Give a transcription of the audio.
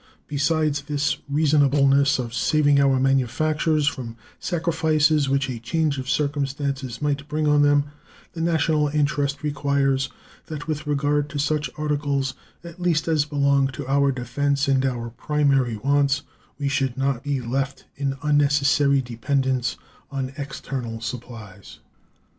Besides the reasonableness of saving our manufactures from sacrifices which a change of circumstances might bring on them, the national interest requires that, with regard to such articles at least as belong to our defense and our primary wants, we should not be left in unnecessary dependence on external supplies.